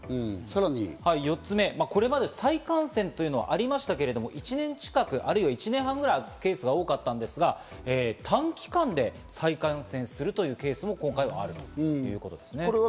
４つ目、これまで再感染というのはありましたけど、１年近く、或いは１年半くらい空くケースが多かったんですが、短期間で再感染するというケースも今回あるということですね。